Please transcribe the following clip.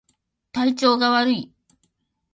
体調が悪い